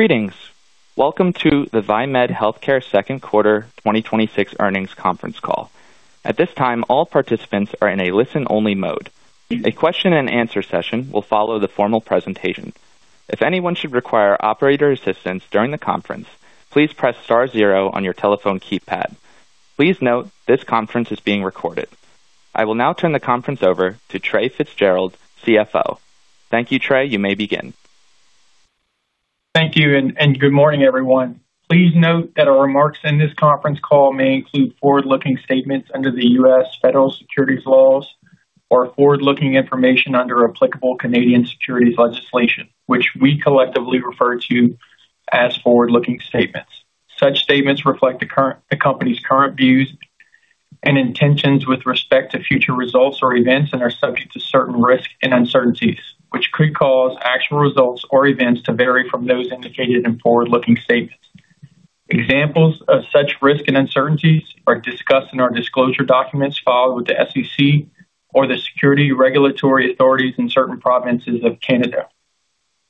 Greetings. Welcome to the Viemed Healthcare second quarter 2026 earnings conference call. At this time, all participants are in a listen-only mode. A question-and-answer session will follow the formal presentation. If anyone should require operator assistance during the conference, please press star zero on your telephone keypad. Please note this conference is being recorded. I will now turn the conference over to Trae Fitzgerald, CFO. Thank you, Trae. You may begin. Thank you. Good morning, everyone. Please note that our remarks in this conference call may include forward-looking statements under the U.S. Federal Securities laws or forward-looking information under applicable Canadian securities legislation, which we collectively refer to as forward-looking statements. Such statements reflect the company's current views and intentions with respect to future results or events and are subject to certain risks and uncertainties, which could cause actual results or events to vary from those indicated in forward-looking statements. Examples of such risks and uncertainties are discussed in our disclosure documents filed with the SEC or the security regulatory authorities in certain provinces of Canada.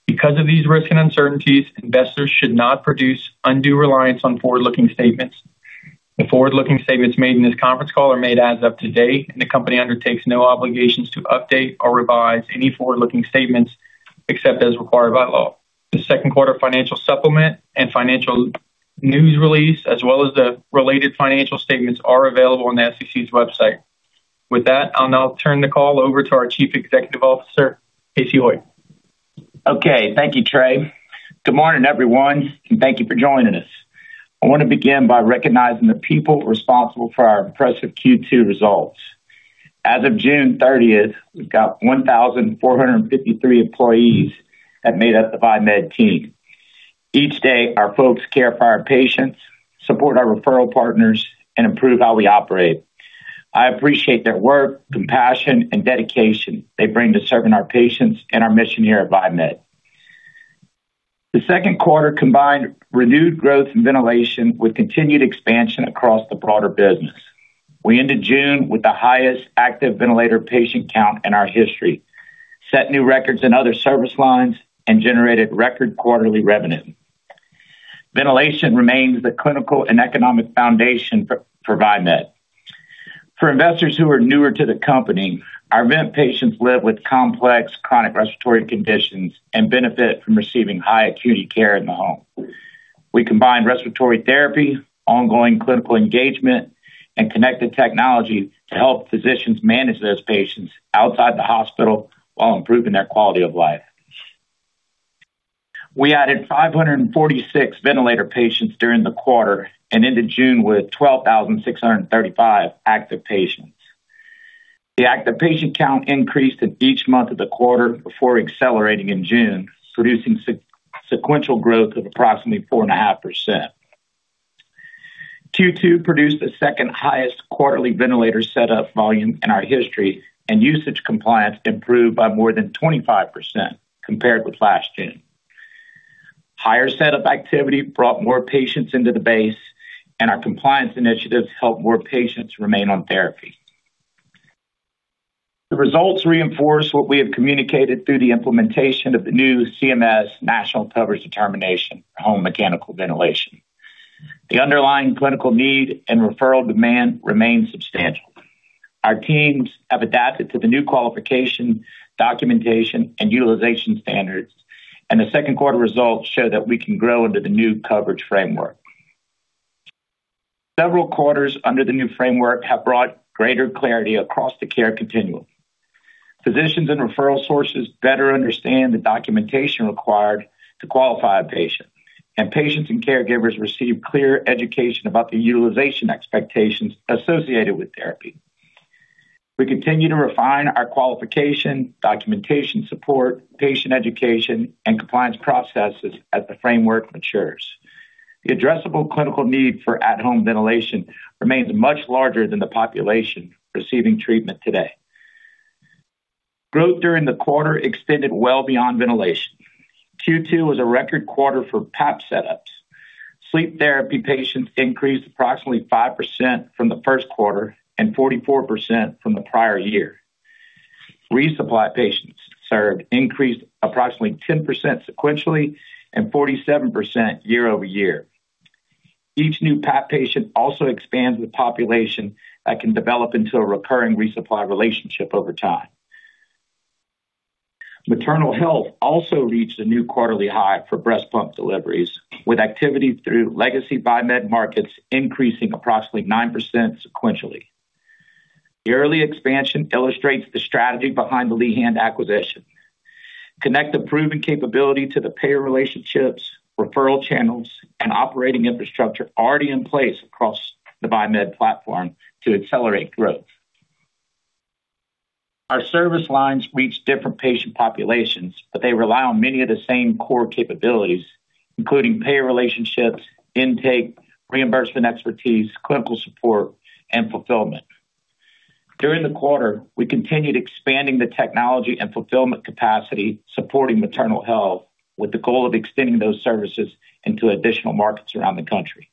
Because of these risks and uncertainties, investors should not place undue reliance on forward-looking statements. The forward-looking statements made in this conference call are made as of to date. The company undertakes no obligations to update or revise any forward-looking statements, except as required by law. The second quarter financial supplement and financial news release, as well as the related financial statements are available on the SEC's website. With that, I'll now turn the call over to our Chief Executive Officer, Casey Hoyt. Okay. Thank you, Trae. Good morning, everyone. Thank you for joining us. I want to begin by recognizing the people responsible for our impressive Q2 results. As of June 30th, we've got 1,453 employees that made up the Viemed team. Each day, our folks care for our patients, support our referral partners, and improve how we operate. I appreciate their work, compassion, and dedication they bring to serving our patients and our mission here at Viemed. The second quarter combined renewed growth in ventilation with continued expansion across the broader business. We ended June with the highest active ventilator patient count in our history, set new records in other service lines, and generated record quarterly revenue. Ventilation remains the clinical and economic foundation for Viemed. For investors who are newer to the company, our vent patients live with complex chronic respiratory conditions and benefit from receiving high acuity care in the home. We combine respiratory therapy, ongoing clinical engagement, and connected technology to help physicians manage those patients outside the hospital while improving their quality of life. We added 546 ventilator patients during the quarter and ended June with 12,635 active patients. The active patient count increased in each month of the quarter before accelerating in June, producing sequential growth of approximately 4.5%. Q2 produced the second highest quarterly ventilator setup volume in our history, and usage compliance improved by more than 25% compared with last June. Higher setup activity brought more patients into the base, and our compliance initiatives helped more patients remain on therapy. The results reinforce what we have communicated through the implementation of the new CMS National Coverage Determination home mechanical ventilation. The underlying clinical need and referral demand remain substantial. Our teams have adapted to the new qualification, documentation, and utilization standards, and the second quarter results show that we can grow into the new coverage framework. Several quarters under the new framework have brought greater clarity across the care continuum. Physicians and referral sources better understand the documentation required to qualify a patient, and patients and caregivers receive clear education about the utilization expectations associated with therapy. We continue to refine our qualification, documentation support, patient education, and compliance processes as the framework matures. The addressable clinical need for at-home ventilation remains much larger than the population receiving treatment today. Growth during the quarter extended well beyond ventilation. Q2 was a record quarter for PAP setups. Sleep therapy patients increased approximately 5% from the first quarter and 44% from the prior year. Resupply patients served increased approximately 10% sequentially and 47% year-over-year. Each new PAP patient also expands the population that can develop into a recurring resupply relationship over time. Maternal health also reached a new quarterly high for breast pump deliveries, with activity through legacy Viemed markets increasing approximately 9% sequentially. The early expansion illustrates the strategy behind the Lehan acquisition. Connect the proven capability to the payer relationships, referral channels, and operating infrastructure already in place across the Viemed platform to accelerate growth. Our service lines reach different patient populations, but they rely on many of the same core capabilities, including payer relationships, intake, reimbursement expertise, clinical support, and fulfillment. During the quarter, we continued expanding the technology and fulfillment capacity supporting maternal health, with the goal of extending those services into additional markets around the country.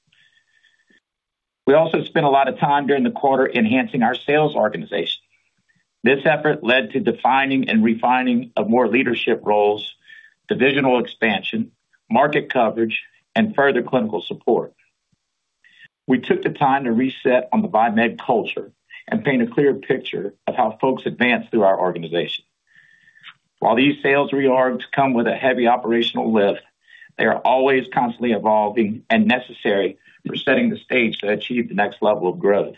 We also spent a lot of time during the quarter enhancing our sales organization. This effort led to defining and refining of more leadership roles, divisional expansion, market coverage, and further clinical support. We took the time to reset on the Viemed culture and paint a clear picture of how folks advance through our organization. While these sales reorgs come with a heavy operational lift, they are always constantly evolving and necessary for setting the stage to achieve the next level of growth.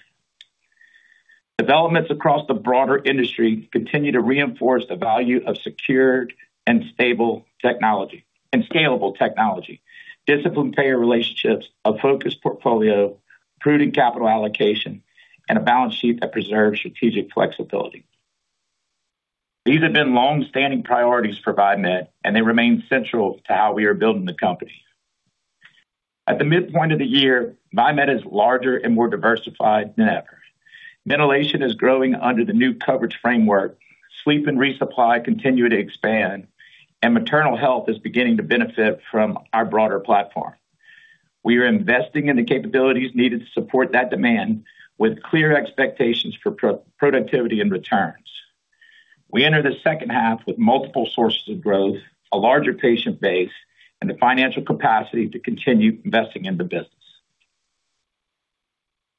Developments across the broader industry continue to reinforce the value of secured and stable technology, scalable technology, disciplined payer relationships, a focused portfolio, prudent capital allocation, and a balance sheet that preserves strategic flexibility. These have been longstanding priorities for Viemed, and they remain central to how we are building the company. At the midpoint of the year, Viemed is larger and more diversified than ever. Ventilation is growing under the new coverage framework. Sleep and resupply continue to expand, and maternal health is beginning to benefit from our broader platform. We are investing in the capabilities needed to support that demand with clear expectations for productivity and returns. We enter the second half with multiple sources of growth, a larger patient base, and the financial capacity to continue investing in the business.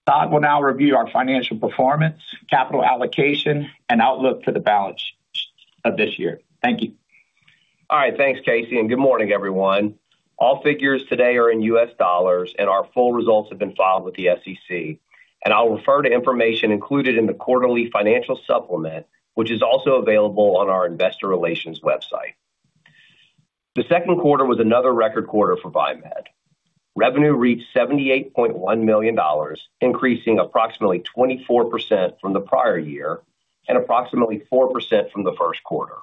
Todd will now review our financial performance, capital allocation, and outlook for the balance of this year. Thank you. All right. Thanks, Casey, and good morning, everyone. All figures today are in US dollars, and our full results have been filed with the SEC. I'll refer to information included in the quarterly financial supplement, which is also available on our investor relations website. The second quarter was another record quarter for Viemed. Revenue reached $78.1 million, increasing approximately 24% from the prior year and approximately 4% from the first quarter.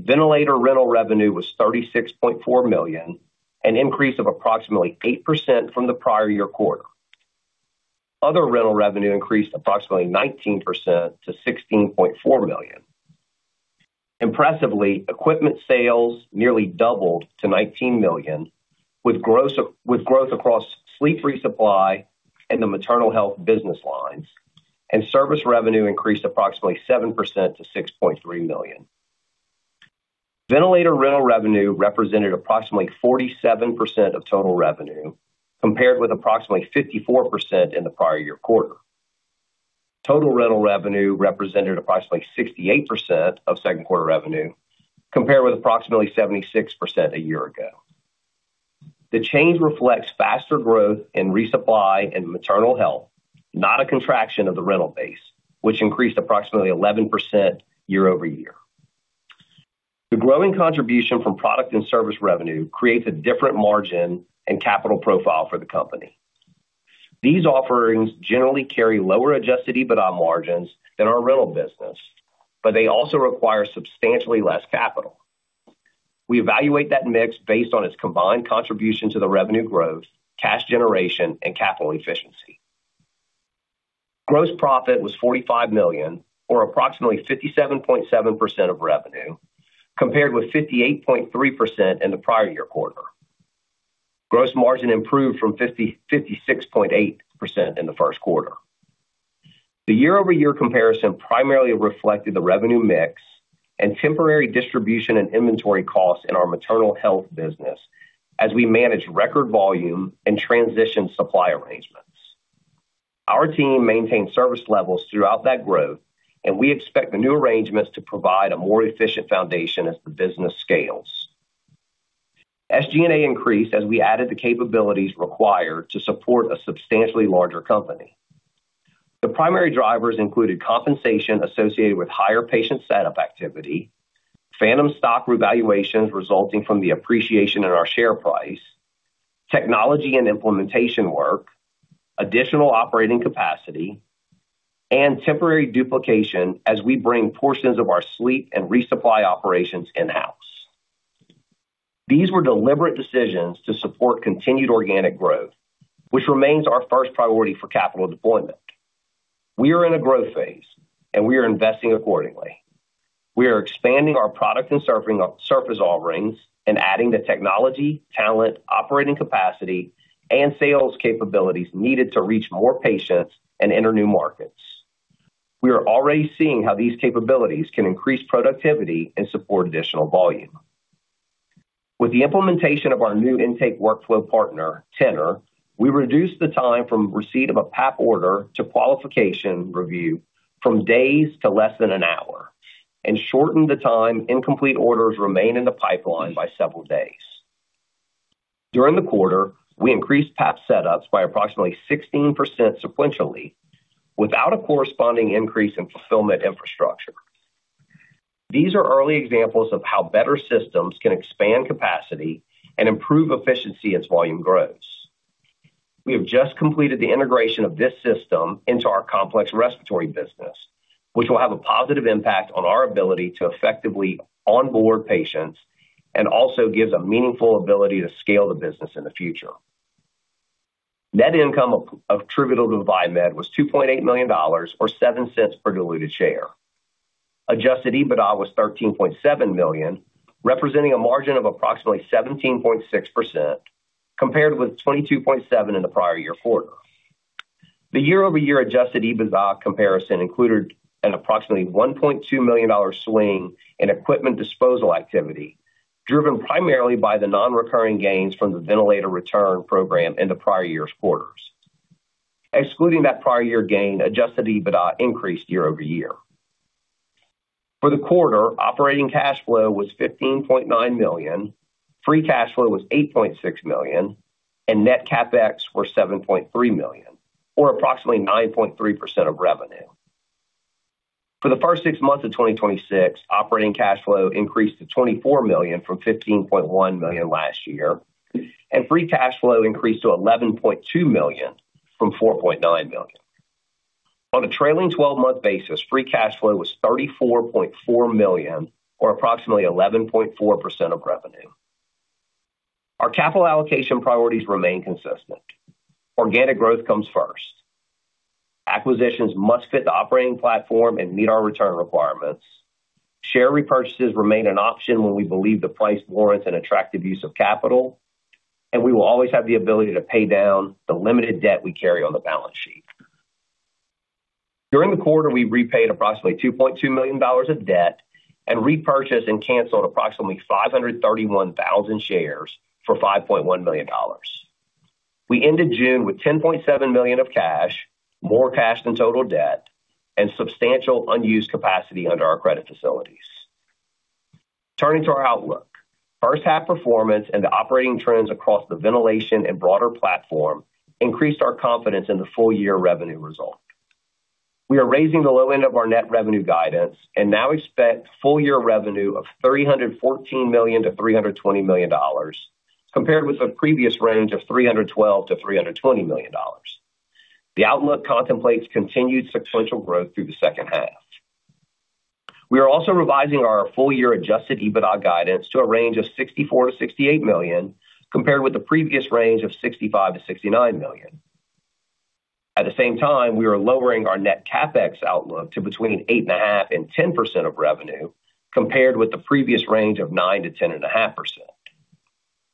Ventilator rental revenue was $36.4 million, an increase of approximately 8% from the prior year quarter. Other rental revenue increased approximately 19% to $16.4 million. Impressively, equipment sales nearly doubled to $19 million, with growth across sleep resupply in the maternal health business lines, and service revenue increased approximately 7% to $6.3 million. Ventilator rental revenue represented approximately 47% of total revenue, compared with approximately 54% in the prior year quarter. Total rental revenue represented approximately 68% of second quarter revenue, compared with approximately 76% a year ago. The change reflects faster growth in resupply and maternal health, not a contraction of the rental base, which increased approximately 11% year-over-year. The growing contribution from product and service revenue creates a different margin and capital profile for the company. These offerings generally carry lower adjusted EBITDA margins than our rental business, but they also require substantially less capital. We evaluate that mix based on its combined contribution to the revenue growth, cash generation, and capital efficiency. Gross profit was $45 million, or approximately 57.7% of revenue, compared with 58.3% in the prior year quarter. Gross margin improved from 56.8% in the first quarter. The year-over-year comparison primarily reflected the revenue mix and temporary distribution and inventory costs in our maternal health business as we manage record volume and transition supply arrangements. Our team maintained service levels throughout that growth, and we expect the new arrangements to provide a more efficient foundation as the business scales. SG&A increased as we added the capabilities required to support a substantially larger company. The primary drivers included compensation associated with higher patient setup activity, phantom stock revaluations resulting from the appreciation in our share price, technology and implementation work, additional operating capacity, and temporary duplication as we bring portions of our sleep and resupply operations in-house. These were deliberate decisions to support continued organic growth, which remains our first priority for capital deployment. We are in a growth phase, and we are investing accordingly. We are expanding our product and service offerings and adding the technology, talent, operating capacity, and sales capabilities needed to reach more patients and enter new markets. We are already seeing how these capabilities can increase productivity and support additional volume. With the implementation of our new intake workflow partner, Tennr, we reduced the time from receipt of a PAP order to qualification review from days to less than an hour and shortened the time incomplete orders remain in the pipeline by several days. During the quarter, we increased PAP setups by approximately 16% sequentially without a corresponding increase in fulfillment infrastructure. These are early examples of how better systems can expand capacity and improve efficiency as volume grows. We have just completed the integration of this system into our complex respiratory business, which will have a positive impact on our ability to effectively onboard patients and also gives a meaningful ability to scale the business in the future. Net income attributable to Viemed was $2.8 million, or $0.07 per diluted share. Adjusted EBITDA was $13.7 million, representing a margin of approximately 17.6%, compared with 22.7% in the prior year quarter. The year-over-year adjusted EBITDA comparison included an approximately $1.2 million swing in equipment disposal activity, driven primarily by the non-recurring gains from the ventilator return program in the prior year's quarters. Excluding that prior year gain, adjusted EBITDA increased year-over-year. For the quarter, operating cash flow was $15.9 million, free cash flow was $8.6 million, and net CapEx was $7.3 million, or approximately 9.3% of revenue. For the first six months of 2026, operating cash flow increased to $24 million from $15.1 million last year, and free cash flow increased to $11.2 million from $4.9 million. On a trailing 12-month basis, free cash flow was $34.4 million or approximately 11.4% of revenue. Our capital allocation priorities remain consistent. Organic growth comes first. Acquisitions must fit the operating platform and meet our return requirements. Share repurchases remain an option when we believe the price warrants an attractive use of capital, and we will always have the ability to pay down the limited debt we carry on the balance sheet. During the quarter, we repaid approximately $2.2 million of debt and repurchased and canceled approximately 531,000 shares for $5.1 million. We ended June with $10.7 million of cash, more cash than total debt, and substantial unused capacity under our credit facilities. Turning to our outlook. First-half performance and the operating trends across the ventilation and broader platform increased our confidence in the full-year revenue result. We are raising the low end of our net revenue guidance and now expect full-year revenue of $314 million-$320 million, compared with the previous range of $312 million-$320 million. The outlook contemplates continued sequential growth through the second half. We are also revising our full-year adjusted EBITDA guidance to a range of $64 million-$68 million, compared with the previous range of $65 million-$69 million. At the same time, we are lowering our net CapEx outlook to between 8.5%-10% of revenue, compared with the previous range of 9%-10.5%.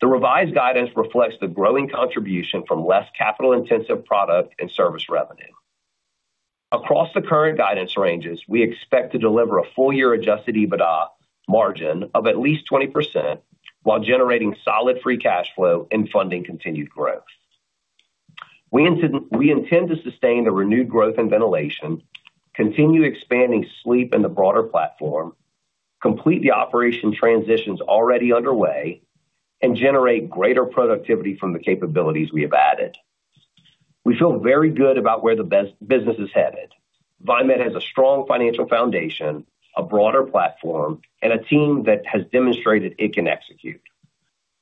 The revised guidance reflects the growing contribution from less capital-intensive product and service revenue. Across the current guidance ranges, we expect to deliver a full-year adjusted EBITDA margin of at least 20%, while generating solid free cash flow and funding continued growth. We intend to sustain the renewed growth in ventilation, continue expanding sleep in the broader platform, complete the operation transitions already underway, and generate greater productivity from the capabilities we have added. We feel very good about where the business is headed. Viemed has a strong financial foundation, a broader platform, and a team that has demonstrated it can execute.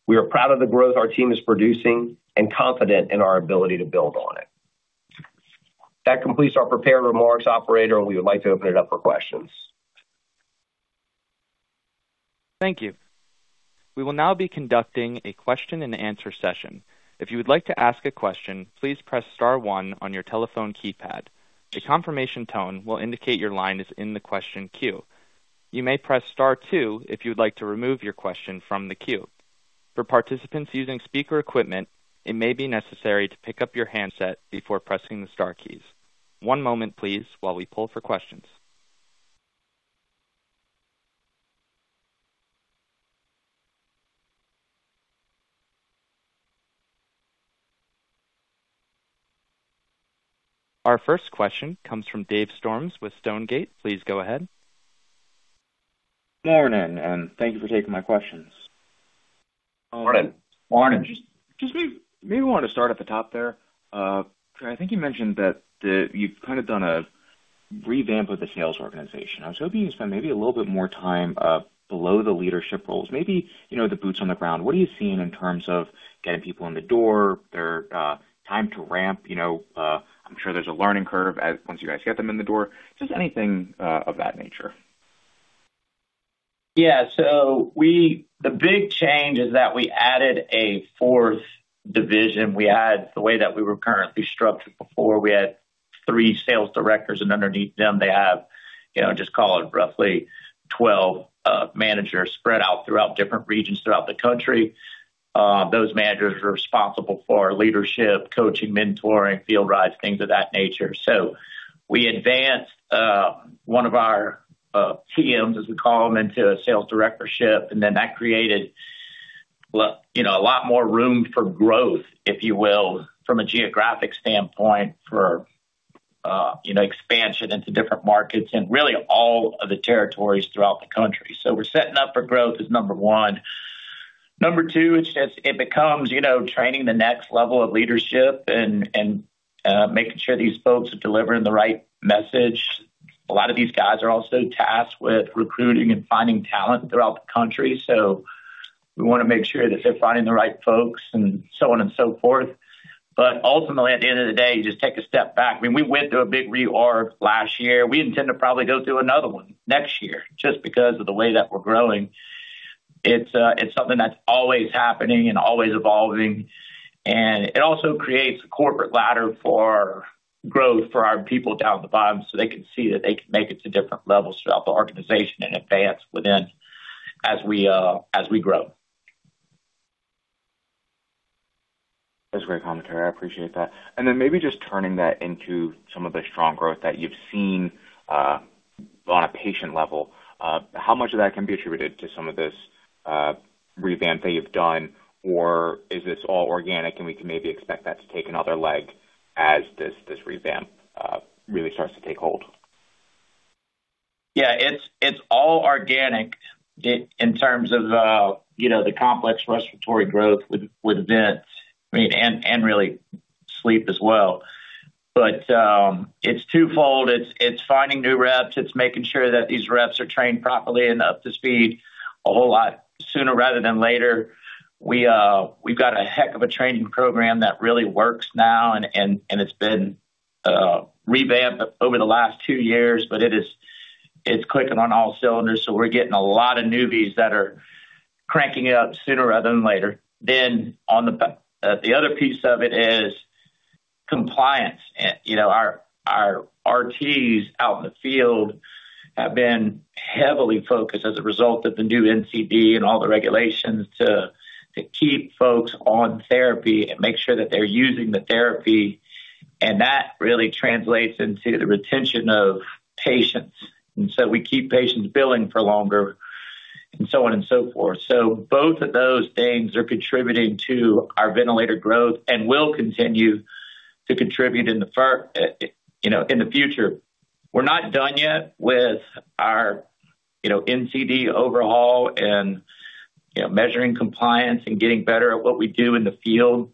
We are proud of the growth our team is producing and confident in our ability to build on it. That completes our prepared remarks, operator. We would like to open it up for questions. Thank you. We will now be conducting a question and answer session. If you would like to ask a question, please press star one on your telephone keypad. A confirmation tone will indicate your line is in the question queue. You may press star two if you would like to remove your question from the queue. For participants using speaker equipment, it may be necessary to pick up your handset before pressing the star keys. One moment, please, while we pull for questions. Our first question comes from Dave Storms with Stonegate. Please go ahead. Morning, thank you for taking my questions. Morning. Morning. Just maybe want to start at the top there. Trae, I think you mentioned that you've kind of done a revamp of the sales organization. I was hoping you could spend maybe a little bit more time below the leadership roles, maybe the boots on the ground. What are you seeing in terms of getting people in the door, their time to ramp? I'm sure there's a learning curve once you guys get them in the door. Just anything of that nature. The big change is that we added a fourth division. The way that we were currently structured before, we had three sales directors, and underneath them they have, just call it roughly 12 managers spread out throughout different regions throughout the country. Those managers are responsible for leadership, coaching, mentoring, field rides, things of that nature. We advanced one of our TMs, as we call them, into a sales directorship, and then that created a lot more room for growth, if you will, from a geographic standpoint for expansion into different markets and really all of the territories throughout the country. We're setting up for growth is number one. Number two, it becomes training the next level of leadership and making sure these folks are delivering the right message. A lot of these guys are also tasked with recruiting and finding talent throughout the country. We want to make sure that they're finding the right folks and so on and so forth. Ultimately, at the end of the day, you just take a step back. I mean, we went through a big reorg last year. We intend to probably go through another one next year just because of the way that we're growing. It's something that's always happening and always evolving. It also creates a corporate ladder for growth for our people down at the bottom, so they can see that they can make it to different levels throughout the organization and advance within as we grow. That's a great commentary. I appreciate that. Maybe just turning that into some of the strong growth that you've seen on a patient level, how much of that can be attributed to some of this revamp that you've done? Is this all organic, and we can maybe expect that to take another leg as this revamp really starts to take hold? Yeah, it's all organic in terms of the complex respiratory growth with vents and really sleep as well. It's twofold. It's finding new reps. It's making sure that these reps are trained properly and up to speed a whole lot sooner rather than later. We've got a heck of a training program that really works now, and it's been revamped over the last two years, but it's clicking on all cylinders, so we're getting a lot of newbies that are cranking it up sooner rather than later. The other piece of it is compliance. Our RTs out in the field have been heavily focused as a result of the new NCD and all the regulations to keep folks on therapy and make sure that they're using the therapy, and that really translates into the retention of patients. We keep patients billing for longer and so on and so forth. Both of those things are contributing to our ventilator growth and will continue to contribute in the future. We're not done yet with our NCD overhaul and measuring compliance and getting better at what we do in the field.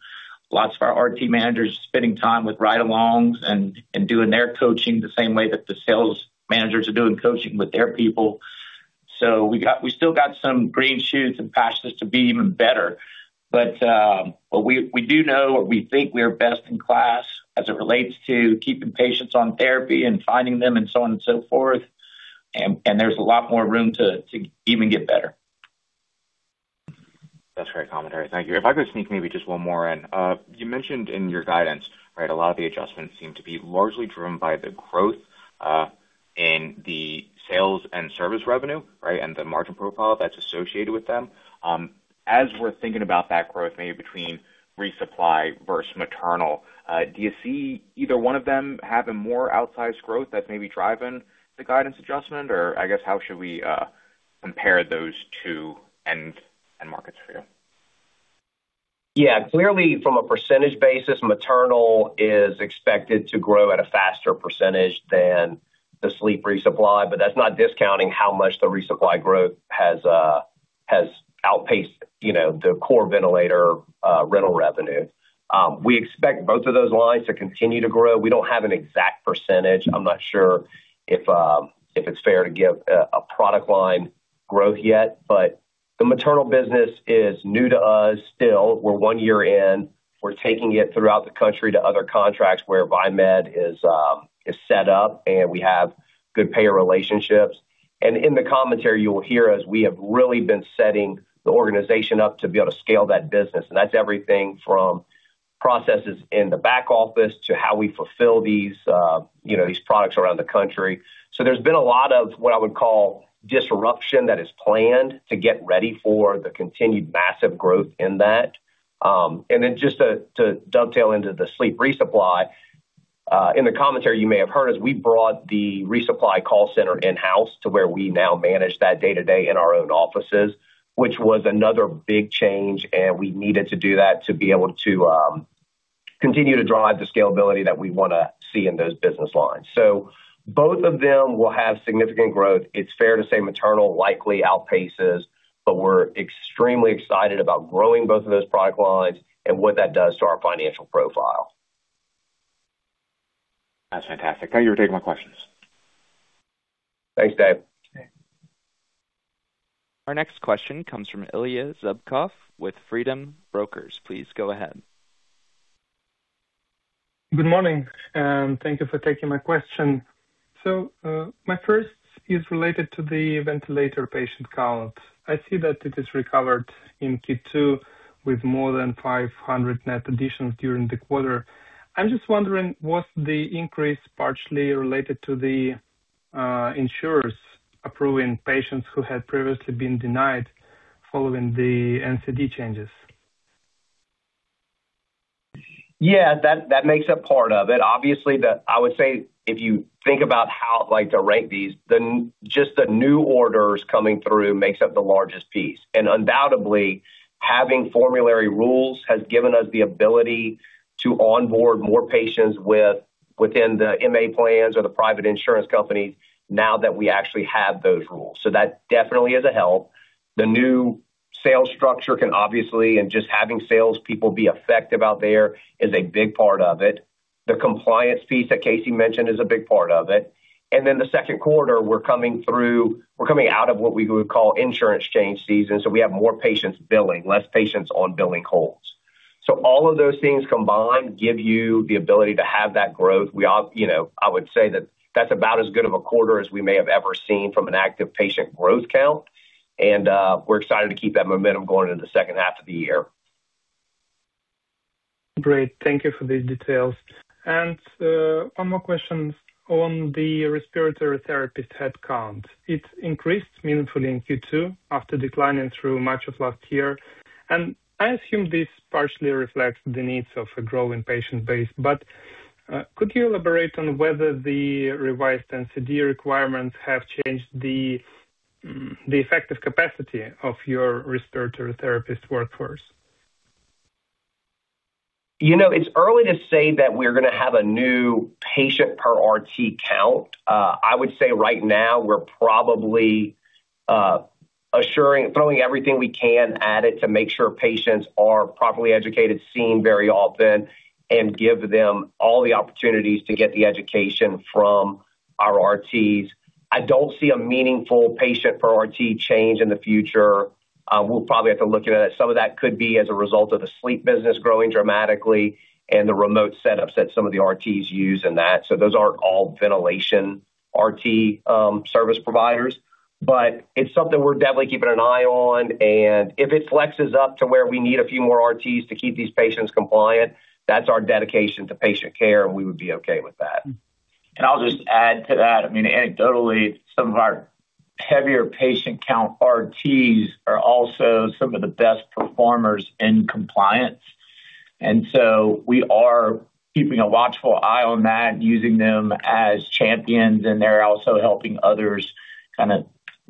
Lots of our RT managers spending time with ride-alongs and doing their coaching the same way that the sales managers are doing coaching with their people. We still got some green shoots and passions to be even better. We do know, or we think we're best in class as it relates to keeping patients on therapy and finding them and so on and so forth, and there's a lot more room to even get better. That's great commentary. Thank you. If I could sneak maybe just one more in. You mentioned in your guidance, a lot of the adjustments seem to be largely driven by the growth in the sales and service revenue, and the margin profile that's associated with them. As we're thinking about that growth, maybe between resupply versus maternal, do you see either one of them having more outsized growth that's maybe driving the guidance adjustment? Or I guess, how should we compare those two end markets for you? Yeah. Clearly, from a percentage basis, maternal is expected to grow at a faster percentage than the sleep resupply, but that's not discounting how much the resupply growth has outpaced the core ventilator rental revenue. We expect both of those lines to continue to grow. We don't have an exact percentage. I'm not sure if it's fair to give a product line growth yet, but the maternal business is new to us still. We're one year in. We're taking it throughout the country to other contracts where Viemed is set up, and we have good payer relationships. In the commentary, you will hear us, we have really been setting the organization up to be able to scale that business, and that's everything from processes in the back office to how we fulfill these products around the country. There's been a lot of what I would call disruption that is planned to get ready for the continued massive growth in that. Just to dovetail into the sleep resupply, in the commentary, you may have heard us, we brought the resupply call center in-house to where we now manage that day-to-day in our own offices, which was another big change, and we needed to do that to be able to continue to drive the scalability that we want to see in those business lines. Both of them will have significant growth. It's fair to say maternal likely outpaces, but we're extremely excited about growing both of those product lines and what that does to our financial profile. That's fantastic. Thank you for taking my questions. Thanks, Dave. Okay. Our next question comes from Ilya Zubkov with Freedom Broker. Please go ahead. Good morning, and thank you for taking my question. My first is related to the ventilator patient count. I see that it is recovered in Q2 with more than 500 net additions during the quarter. I'm just wondering, was the increase partially related to the insurers approving patients who had previously been denied following the NCD changes? Yeah, that makes up part of it. Obviously, I would say if you think about how to rank these, just the new orders coming through makes up the largest piece. Undoubtedly, having formulary rules has given us the ability to onboard more patients within the MA plans or the private insurance companies now that we actually have those rules. That definitely is a help. The new sales structure can obviously, just having sales people be effective out there is a big part of it. The compliance piece that Casey mentioned is a big part of it. The second quarter, we're coming out of what we would call insurance change season, we have more patients billing, less patients on billing holds. All of those things combined give you the ability to have that growth. I would say that that's about as good of a quarter as we may have ever seen from an active patient growth count, we're excited to keep that momentum going into the second half of the year. Great. Thank you for these details. One more question on the respiratory therapist headcount. It increased meaningfully in Q2 after declining through much of last year. I assume this partially reflects the needs of a growing patient base, but could you elaborate on whether the revised NCD requirements have changed the effective capacity of your respiratory therapist workforce? It's early to say that we're going to have a new patient per RT count. I would say right now we're probably throwing everything we can at it to make sure patients are properly educated, seen very often, and give them all the opportunities to get the education from our RTs. I don't see a meaningful patient per RT change in the future. We'll probably have to look at it. Some of that could be as a result of the sleep business growing dramatically and the remote setups that some of the RTs use in that. Those aren't all ventilation RT service providers. It's something we're definitely keeping an eye on, and if it flexes up to where we need a few more RTs to keep these patients compliant, that's our dedication to patient care, and we would be okay with that. I'll just add to that. Anecdotally, some of our heavier patient count RTs are also some of the best performers in compliance. We are keeping a watchful eye on that, using them as champions, and they're also helping others, kind of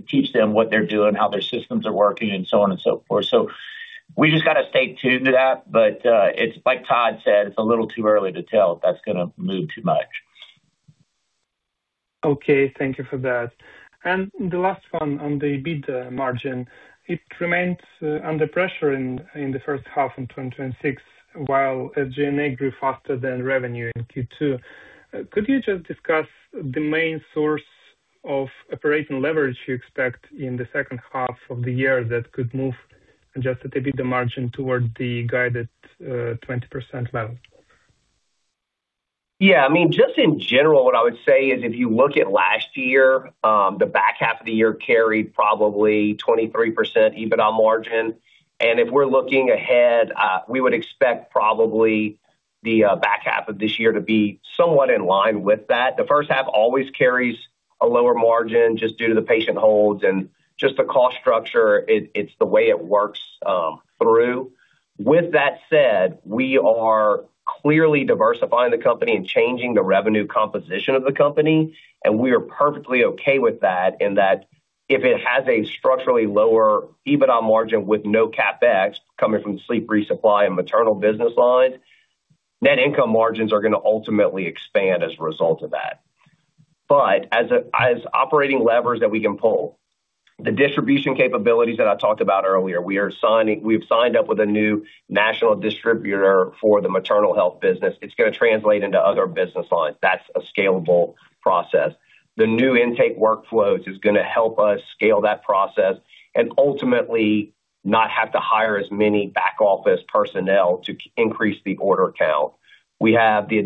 teach them what they're doing, how their systems are working, and so on and so forth. We just got to stay tuned to that. It's like Todd said, it's a little too early to tell if that's going to move too much. Okay. Thank you for that. The last one on the EBITDA margin. It remains under pressure in the first half in 2026, while G&A grew faster than revenue in Q2. Could you just discuss the main source of operating leverage you expect in the second half of the year that could move just the EBITDA margin towards the guided 20% level? Yeah. Just in general, what I would say is if you look at last year, the back half of the year carried probably 23% EBITDA margin. If we're looking ahead, we would expect probably the back half of this year to be somewhat in line with that. The first half always carries a lower margin just due to the patient holds and just the cost structure. It's the way it works through. With that said, we are clearly diversifying the company and changing the revenue composition of the company, and we are perfectly okay with that, in that if it has a structurally lower EBITDA margin with no CapEx coming from sleep resupply and maternal business lines, net income margins are going to ultimately expand as a result of that. As operating levers that we can pull, the distribution capabilities that I talked about earlier, we've signed up with a new national distributor for the maternal health business. It's going to translate into other business lines. That's a scalable process. The new intake workflows is going to help us scale that process and ultimately not have to hire as many back-office personnel to increase the order count. We have the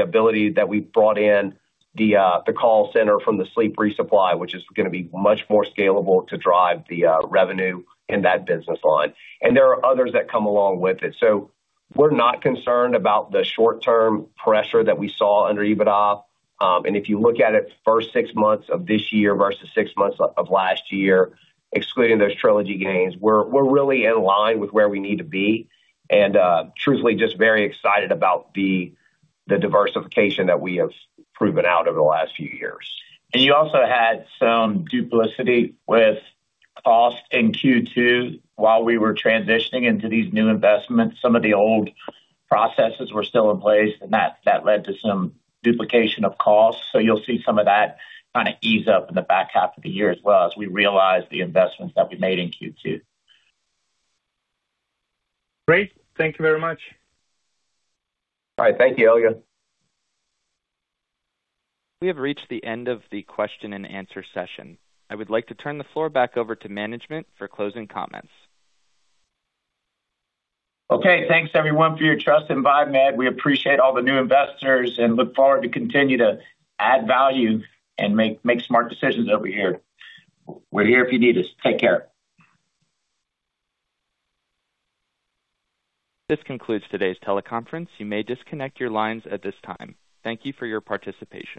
ability that we brought in the call center from the sleep resupply, which is going to be much more scalable to drive the revenue in that business line. There are others that come along with it. We're not concerned about the short-term pressure that we saw under EBITDA. If you look at it first six months of this year versus six months of last year, excluding those Trilogy gains, we're really in line with where we need to be and, truthfully, just very excited about the diversification that we have proven out over the last few years. You also had some duplication with cost in Q2 while we were transitioning into these new investments. Some of the old processes were still in place, and that led to some duplication of costs. You'll see some of that kind of ease up in the back half of the year as well as we realize the investments that we made in Q2. Great. Thank you very much. All right. Thank you, Ilya. We have reached the end of the question and answer session. I would like to turn the floor back over to management for closing comments. Okay. Thanks, everyone, for your trust in Viemed. We appreciate all the new investors and look forward to continue to add value and make smart decisions over here. We're here if you need us. Take care. This concludes today's teleconference. You may disconnect your lines at this time. Thank you for your participation.